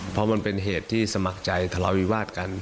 เพราะมันเป็นเหตุที่สมัครใจทะเลาวิวาสกัน